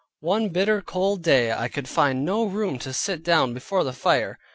One bitter cold day I could find no room to sit down before the fire.